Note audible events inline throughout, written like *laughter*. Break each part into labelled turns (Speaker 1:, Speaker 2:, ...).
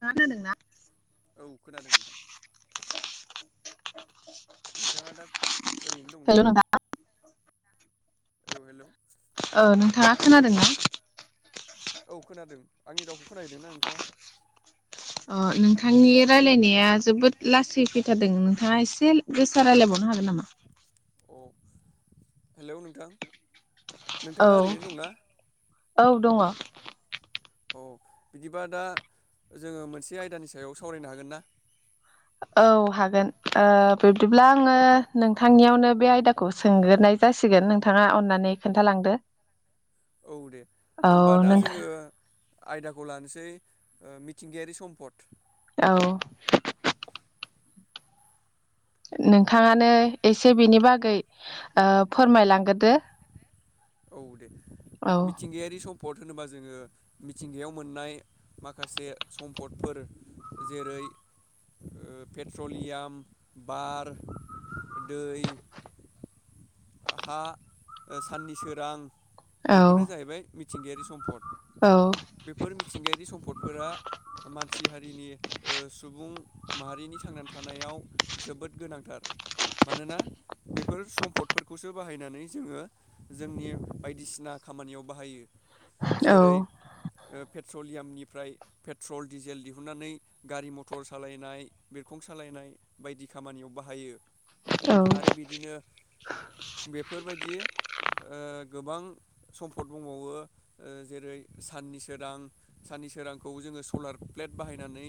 Speaker 1: थांङा खोनादों ना?
Speaker 2: औ खोनादों नोंथां
Speaker 1: *unintelligible*
Speaker 2: नोंथांङा दा ओरैनो दंना?
Speaker 1: हेल' नोंथां
Speaker 2: औ हेलोव
Speaker 1: ओ नोंथाङा खोनादोंना?
Speaker 2: औ खोनादों आंनि रावखौ खोनाहैदोंना नोंथांङा?
Speaker 1: अ नोंथांनि रायजलायनाया जोबोद लासै फैथारदों नोंथांङा एसे गोसा रायजलायबावनो हागोन नामा?
Speaker 2: *inaudible* अ हेलौ नोंथां
Speaker 1: औ
Speaker 2: नोंथांङा ओरैनो दंना?
Speaker 1: औ दंङ।
Speaker 2: औ बिदिबा दा जोंङो मोनसे आयदानि सायाव सावरायनो हागोन ना?
Speaker 1: औ हागोन ओ बिब्दिब्ला आंङो नोंथांनियावनो बे आयदाखौ सोंगोरनाय जासिगोन नोंथांङा अननानै खोन्थालांदो।
Speaker 2: औ दे
Speaker 1: औ
Speaker 2: होमबा दा
Speaker 1: नोंथां
Speaker 2: जोंङो आयदाखौ लानोसै ओ मिथिंगायारि सम्पद।
Speaker 1: औ नोंथांङानो एसे बेनि बागै ओ फोरमायलांग्रोदो।
Speaker 2: औ दे
Speaker 1: औ
Speaker 2: मिथिंगायारि स म्पद होनोबा जोंङो मिथिंगायाव मोननाय माखासे सम्पदफोर जेरै पेट्रलियाम बार दै हा साननि सोरां
Speaker 1: औ
Speaker 2: बेफोरो जाहैबाय मिथिंगायारि सम्फद।
Speaker 1: औ
Speaker 2: सिथिंगायारि सम्पदफोरा मानसि हारिनि ओ सुबुं माहारिनि थांनानै थानायाव जोबोद गोनांथार। मानोना बेफोर सम्फद फोरखौसो बाहायनानै जोंङो जोंनि बायदिसिना खामानियाव बाहायो। जेरै ओ पेट्रलियामनिफ्राय पेट्रल डिजेल दिहुननानै गारि मटर सालायनाय बे बिरखं सालायनाय बायदि खामानियाव बाहायो
Speaker 1: औ
Speaker 2: आरो बिदिनो बेफोरबायदि ओ गोबां सम्फद दंबावो ओ जेरै साननिसोरां सा सोरांखौ जों सलार प्लेट बाहायनानै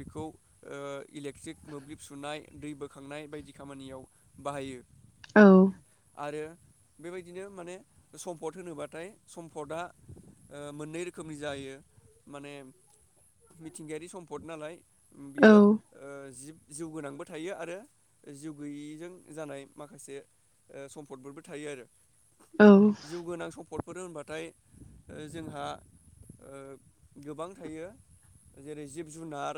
Speaker 2: बेखौ ओ इलेक्ट्र मोब्लिब सुना नाय दै बोखांनाय बायदि खामानियाव बाहायो।
Speaker 1: औ
Speaker 2: आरो बेबायदिनो माने सम्फद होनोब्लाथाय सम्फदआ ओ मोननै रोखोमनि जायो। माने मिथिंगायारि सम्फद नालाय
Speaker 1: औ
Speaker 2: बियो ओ जिब जिउ गोनांबो थायो आरो जिउ गैयिजों जानाय माखासे ओ सम्फदफोरबो थायो आरो जिउ गोनां सम्फद फोर होनबाथाय जोंहा ओ गोबां थायो। जेरै जिब-जुनार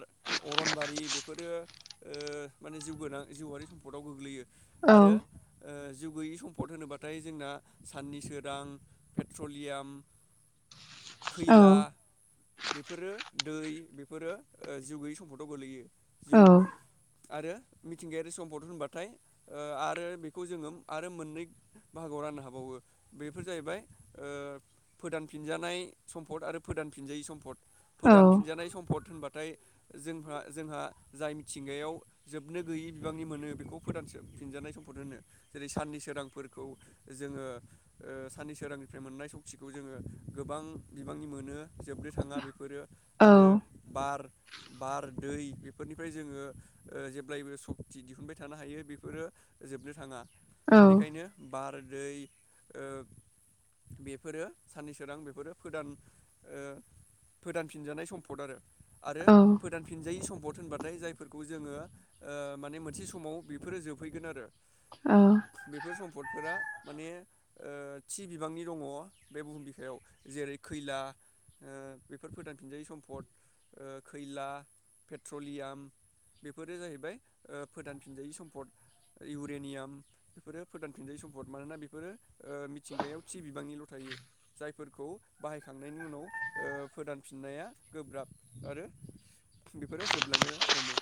Speaker 2: अरनबारि बेफोरो ओ माने जिउ गोनां जिउआारि सु पर्टआव गोग्लैयो
Speaker 1: औ
Speaker 2: आरो ओ जिउ गोैयि सम्पद होनोब्लाथाय जोंना साननि सोरां पेट्रलियाम
Speaker 1: औ
Speaker 2: खैला बेफोरो दै बेफोरो जिउ गोैयै सम्फदाव गोल्लैयो जिउ
Speaker 1: औ
Speaker 2: आरो मिथिंगायारि सम्पद होनबाथाय ओ आरो बेखौ जोङो आरो मोननै बाहागोआव राननो हाबावो बेफोर जाहैबाय ओ फोदान फिनजानाय सम्पद आरो फोदानफिनजायै सम्पद
Speaker 1: औ
Speaker 2: फोदानफिनजानाय सम्पद होनबा थाय जोंहा जोंहा जाय मिथिंगायाव जोबनो गैयै बिबांनि मोनो बेखौ फोदान फिनजानाय सम पद होनो जेरै साननि सोरांफोरखौ जोङो साननि सोरांनिफ्राय मोननाय सक्तिखौ जोङो गोबां बिबांनि मोनो जोबनो थाङा बेफोरो आरो बार बार दै बेफोरनिफ्राय जोङो जेब्लायबो सक्ति दिहुनबाय थानो हायो बेफोरो जोबनो थाङा
Speaker 1: औ
Speaker 2: बेनिखायनो बार दै ओ बेफोरो सानननि सोरां बेफोरो फोदान ओ फोदानफिनजानाय सम्फद आरो आरो फोदानफिनजायि सम पद होनबाथाय जायफोरखौ जोङो ओ माने मोनसे समाव बेफोरो जोबहैगोन आरो
Speaker 1: औ
Speaker 2: बेफोर सम्पद फोरा माने थि ओ बिबांनि दङ बे बुहुम बिखायाव जेरै खैला ओ बेफोर फोदानफिनजायै सम्फद खैला पेट्रलियाम बेफोरो जाहैबाय ओ फोदानफिनजायै सम्पद इउरेनियाम बेफोरो फोदानफिनजायि सम्फद मानोना बेफोरो ओ मिथिंगायाव थि बिबांनिल' थायो। जायफोरखौ बाहायखांनायनि उनाव फोदानफिननाया गोब्राब आरो बेफोरो जोबलांनो हमो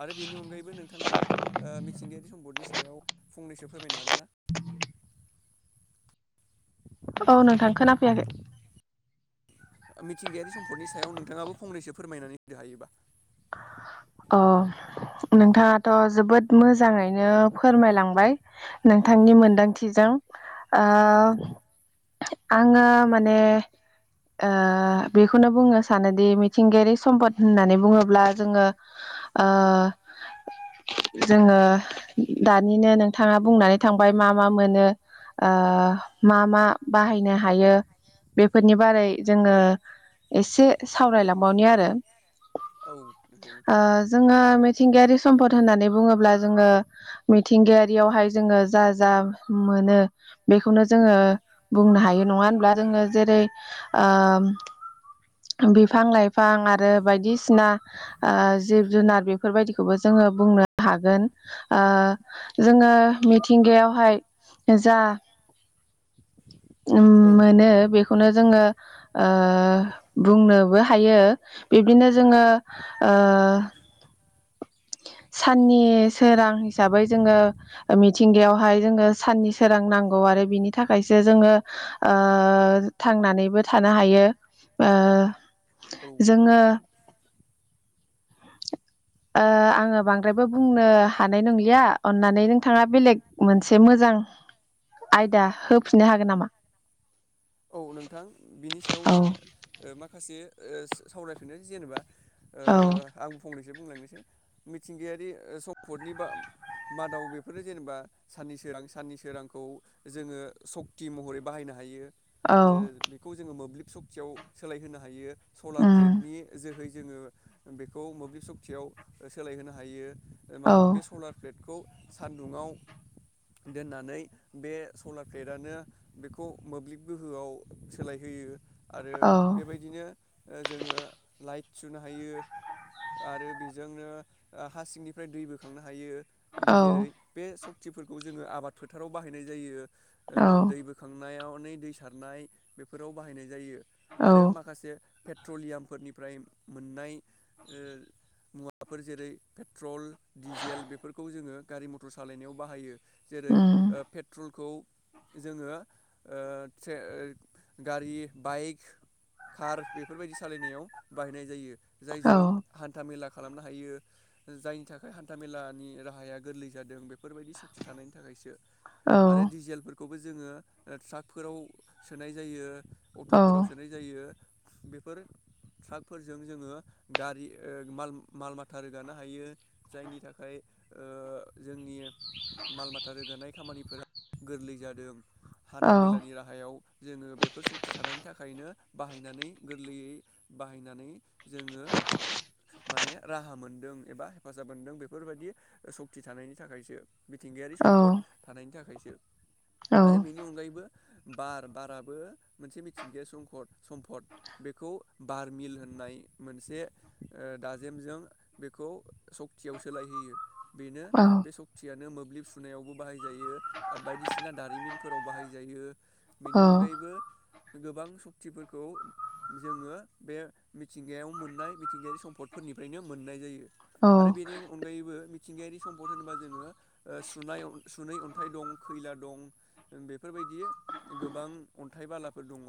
Speaker 2: आरो बेनि अनगायैबो नोंथाङा मिथिंगायारि सम्पदनि सायाव फंनैसो फोरमायनो हागोन ना
Speaker 1: औ नोंथां खोनाफैयाखै
Speaker 2: मिथिंगायारि सम्पदनि सायाव नोंथाङाबो फंनैसो फोरमायनानै होदो हायोबा
Speaker 1: अ नोंथाङाथ' जोबोद मोजाङैनो फोरमायलांबाय नोंथांनि मोनदांथिजों ओ आङो माने ओ बेखौनो बुंनो सानोदि मिथिंगायारि सम्पद होननानै बुङोब्ला जोङो आ जोङो दानिनो नोंथाङा बुंनानै थांबाय मा मा मोनो ओ मा मा बाहायनो हायो बेफोरनि बारै जोङो एसे सावरायलांबावनि आरो
Speaker 2: औ नंगौ नोंथां
Speaker 1: ओ जोङो मिथिंगायारि सम्पद होननानै बुङोब्ला जोङो मिथिंगायारि जोङो जा जा मोनो बेखौनो जोङो बुंनो हायो नङा होनब्ला जोङो जेरै रै ओ बिफां-लाइफां आरो बायदिसिना ओ जिब-जुनार बेफोरबायदिखौबो जोङो बुंनो हागोन ओ जोङो मिथिंगायावहाय जा
Speaker 2: *inaudible*
Speaker 1: ओम
Speaker 2: औ
Speaker 1: मोनो बेखौनो जोङो ओ बुंनोबो हायो बिब्दिनो जोङो ओ
Speaker 2: *inaudible*
Speaker 1: साननि सोरां हिसाबै जोङो मिथिंगायावहाय जोङो साननि सोरां नाम नांगौ आरो बिनि थाखायसो जोङो ओ थांनानैबो थानो हायो ओ
Speaker 2: औ नोंगौ
Speaker 1: जोङो
Speaker 2: नोंथां
Speaker 1: ओ आङो बांद्रायबो बुंनो हानाय नंलिया अन्नानै नोंथाङा बेलेग मोनसे मोजां जां आयदा होफिननो हागोन नामा
Speaker 2: औ नोंथां बिनि
Speaker 1: औ
Speaker 2: सायावनो ओ माखासे ओ सावरायफिननो जेनेबा ओ
Speaker 1: औ
Speaker 2: आं फंनैसो बुंलांनोसै मिथिंगायारि सम्फदनि बा मादाव बेफोरनो जेनेबा साननि सोरां साननि सोरांखौ जोङो सक्ति महरै बाहायनो हायो ओ बेखौ जोङो मोब्लिब सक्तियाव सोलायहोनो हायो सलार
Speaker 1: उम
Speaker 2: प्लेटनि जोहै जोङो बेखौ मोब्लिब सुक्तियाव ओ सोलायहोनो हायो ओ
Speaker 1: औ
Speaker 2: मानो बे सलार प्लेट खौ सान्दुंङाव दोननानै बे सलार प्लेटानो बेखौ मोब्लिब गोहोआव सोलायहोयो आरो
Speaker 1: औ
Speaker 2: बेबायदिनो जोङो लाइट सुनो हायो आरो बेजोंनो ओ हा सिंनिफ्राय दै बोखांनो हायो
Speaker 1: औ
Speaker 2: जेरै बे सक्तिफोरखौ जोङो आबाद फोथाराव बाहायनाय जायो
Speaker 1: औ
Speaker 2: दै बोखांनायाव नै दै सारनाय बेफोराव बाहायनाय जायो
Speaker 1: औ
Speaker 2: आरो माखासे पेट्रलियामफोरनिफ्राय मोननाय ओ मुवा वाफोर जेरै पेट्रल डिजेल बेफोरखौ जोङो गारि मटर सालायनायाव बाहायो जेरै
Speaker 1: उम
Speaker 2: ओ पेट्रलखौ जोङो ओ से ओ गारि बाइक कार बेफोरबायदि सालायनायाव बाहायनाय जायो
Speaker 1: औ
Speaker 2: जायजों हान्थामेला खालामनो हायो जायनि थाखाय हान्थामेलानि राहाया गोरलै जादों बेफोरबायदि सक्ति थानायनि थाखायसो
Speaker 1: औ
Speaker 2: आरो डिजेलफोरखौबो जोङो ओ ट्राकफोराव सोनाय जायो
Speaker 1: औ
Speaker 2: अट'फोराव सोनाय जायो बेफोर ट्राकफोरजों जोङो गारि ओ माल-माल माथा रोगानो हायो जायनि थाखाय ओ जोंनि माल माथा रोगानाय खामानिफोरा गोरलै जादों
Speaker 1: औ
Speaker 2: हान्थामेलानि राहा खौ जोङो बेफोर सक्ति थानायनि थाखायनो बाहायनानै गोरलैयै बाहायनानै जों ङो माने राहा मोनदों एबा हेफाजाब मोनदों बेफोरबायदि सक्ति थानायनि थाखायसो मिथिं गायारि
Speaker 1: औ
Speaker 2: सम्पद थानायनि थाखायसो आरो बेनि अनगायैबो बार बाराबो मोनसे मिथिंगायारि संखद सम्पद बेखौ बार मिल होननाय मोनसे ओ दाजेमजों बेखौ सक्तियाव सोलायहोयो बेनो बे सक्तियानो मोब ब्लिब सुनायावबो बाहायजायो बायदिसिना दारिमिनफोराव बाहायजायो बेनि
Speaker 1: औ औ
Speaker 2: अनगायैबो गोबां सक्तिफोरखौ जोङो बे मिथिंगायाव मोननाय मिथिंगायारि समफ फदफोरनिफ्रायनो मोननाय जायो आरो बेनि अनगायैबो मिथिंगायारि सम्पद होनोबा जोङो ओ सुनाय सुनै अन्थाइ दं खै ला दं ओं बेफोरबायदि गोबां अन्थाइ बालाफोर दङ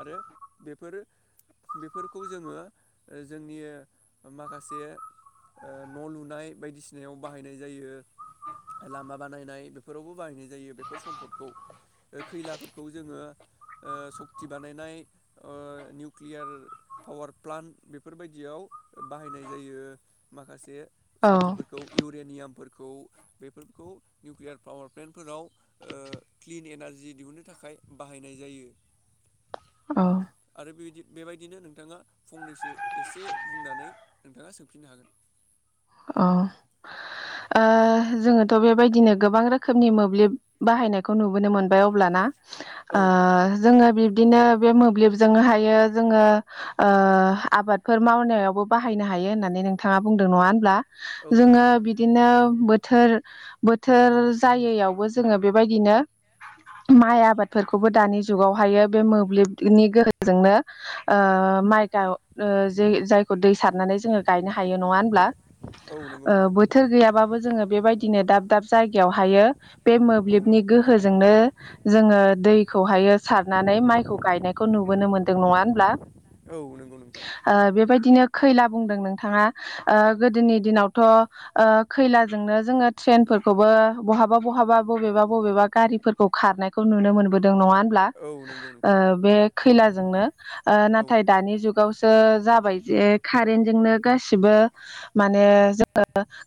Speaker 2: आरो बेफोरो बेफोरखौ जोङो जोंनि माखासे ओ न' लुनाय बायदिसिनायाव बाहायनाय जायो। लामा बानायनाय बेफोरावबो बाहायनाय जायो बेफोर सम्पदखौ खैलाफोरखौ जोङो ओ सक्ति बानायनाय ओ निउकलियार पावार प्लान्ट बेफोरबायदियाव बाहायनाय जायो माखासे सकतिफोरखौ इयुत देयामफोरखौ बेफोरखौ निउकलियार पावार प्लेन्टफोराव क्लिन एनारजि दिहुन्नो थाखाय बाहायनाय जायो।
Speaker 1: औ
Speaker 2: आरो बिदि बेबायदिनो नोंथाङा फंनैसो *inaudible*
Speaker 1: औ जोङोथ' बेबायदिनो गोबां रोखोमनि मोब्लिब बाहायनायखौ नुबोनो मोनबाय अब्लाना
Speaker 2: औ
Speaker 1: ओ
Speaker 2: नंगौ नोंथां
Speaker 1: जों बे मोब्लिबजोङो हायो जोङो ओ आबादफोर मावनायावबो बाहायनो हायो होननानै नोंथाङा बुंदों नङा होनब्ला
Speaker 2: औ नंगौ
Speaker 1: जोङो
Speaker 2: नोंथां
Speaker 1: बिदिनो बोद थोर बोथोर जायैयावबो जोङो बेबायदिनो माइ आबादफोरखौबो दानि जुगावहायो बे मोब्लिबनि गोहोजोंनो ओ माइ गाव जायखौ दै सारनानै जोङो गायनो हायो नङा होनब्ला?।
Speaker 2: औ नंगौ नोंथां
Speaker 1: बोथोर गैयाबाबो जोङो बायदिनो दाब दाब जायगायावहायो बे
Speaker 2: औ
Speaker 1: मोब्लिबनि गोहोजोंनो जोङो दै खौहायो सारनानै माइखौ गायनायखौ नुबोनो मोन्दों नङा होनब्ला।?
Speaker 2: औ नंगौ नोंथां।
Speaker 1: ओ बेबायदिनो खैला बुंदों नोंथाङा गोदोनि दिनावथ' खैला
Speaker 2: खैलाजोंनो ट्रेनफोरखौबो
Speaker 1: जोङो बो बहाबा बहा बबेबा बबेबा गारिफोरखौ खारनायखौ नुनो मोनो। बोदों नङा ब्ला ओ खैलाजोंनो नाथाय दानि जुगावसो जाबाय जे कारेेन जोंनो गासिबो माने जो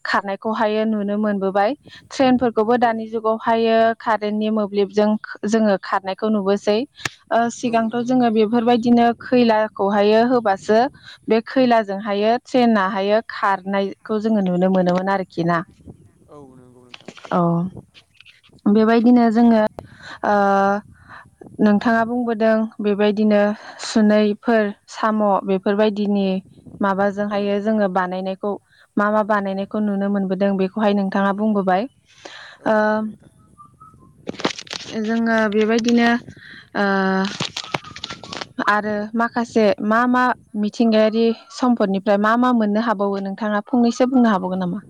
Speaker 1: खारनाय खौहायो नुनो मोनबोबाय ट्रेनफोरखौबो दानि जुगावहायो कारेन्टनि मो मोब्लिबजों जोङो खारनायखौ नुबोसै ओ
Speaker 2: नुनो
Speaker 1: सिगांथ'
Speaker 2: मोनबोदों
Speaker 1: जोङो
Speaker 2: औ नंगौ
Speaker 1: बेफोरबायदिनो
Speaker 2: नोंथां औ
Speaker 1: खैलाखौहाय होबा खैलाजोंहायो ट्रेनाहायो खारनायखौ जोङो नुनो मोनोमोन आरो।
Speaker 2: औ नंगौ नोंथां।
Speaker 1: औ। बेबायदिनो जोङो। नोंथाङा बुंबोदों बेबायदिनो सुनैफोर साम' बेफोरबायदिनि
Speaker 2: औ
Speaker 1: माबाजोंहायो जोङो बानायनायखौ मा
Speaker 2: औ
Speaker 1: मा बानायनायखौ नुनो मोन। बोदों बेखौहाय नोंथाङा बुंबोबाय ओ
Speaker 2: औ नगथ
Speaker 1: जोङो बेबायदिनो
Speaker 2: *inaudible*
Speaker 1: आरो माखासे मा मा मिथिंगायारि सम्पदनिफ्राय मा मा मोननो हाबावो नोंथाङा फंनैसो बुंनो हाबावगोन नामा?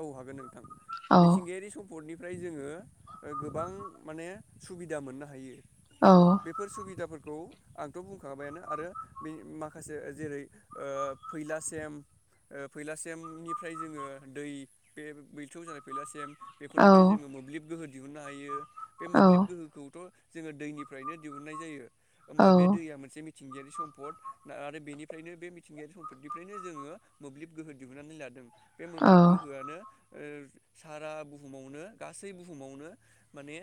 Speaker 2: औ हागोन नोंथां
Speaker 1: औ
Speaker 2: मिथिंगायारि सम्पदनिफ्राय जोङो गोबां माने सुबिदा मोननो हायो
Speaker 1: औ
Speaker 2: बेफोर सुबिदाफोरखौ आंथ' बुंखांाबायानो आरो बे माखासे जेरै फैलासिम फैलासिमनिफ्राय जोङो दै बे बैथौ जानाय फैलासिम
Speaker 1: औ
Speaker 2: बेफोरनिफ्राय जोङो मोब्लिब गोहो दिहुननो हायो। बे
Speaker 1: औ
Speaker 2: मोब्लिब गोहोखौथ जोङो दैनिफ्रायनो दिहुननाय जायो
Speaker 1: औ
Speaker 2: होमबा बे दैया मोनसे। मिथिंगायारि सम्द आरो बेनिफ्रायनो बे मिथिंगायारि सम्फदनिफ्रायनो जोङो मोब्लिब गोहो दिहुननानै लादों। बे
Speaker 1: औ
Speaker 2: मोब्लिब गोहोआनो। ओ सारा बुहुमावनो गासै बुहुमावनो माने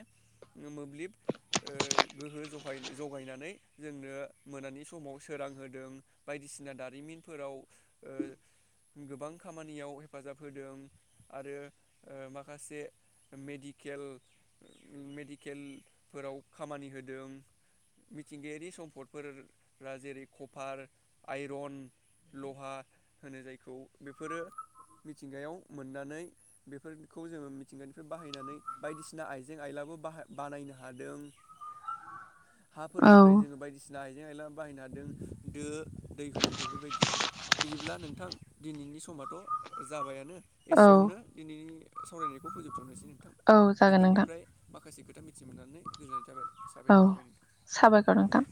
Speaker 2: मोब्लिब ओ गोहो जखाय-जगायनानै जोंनो मोनानि समाव सोरां होदों बायदि सिना दारिमिनफोराव गोबां खामानियाव हेफाजाब होदों आरो ओ माखासे मेडिकेल मेडिके लफोराव खामानि होदों। मिथिंगायारि सम्पदफोरा जेरै कफार, आइरन लहा होनो जायखौ बेफोरो मिथिंगायाव मोननानै बेफोरखौ जोङो मिथिंगानिफ्राय बाहायनानै बायदिसिना आइजें आइलाबो बाहा-बानायनो हादों
Speaker 1: औ
Speaker 2: हाफोरनिफ्राय जोङो बायदिसिना बे आइला बाहायनो हादों दो दैहु बेफोरबायदि बिदिब्ला नोंथां दिनैनि समाथ' जाबायानो
Speaker 1: औ
Speaker 2: एसेयावनो दिनैनि सावरायनायखौ फोजोबथनोसै
Speaker 1: औ जागोन नोंथां
Speaker 2: नोंथांनिफ्राय माखासे खोथा मिथिमोननानै गोजोननाय थाबाय। साबायखर
Speaker 1: औ
Speaker 2: थाबाय नोंथां
Speaker 1: साबायखर नोंथां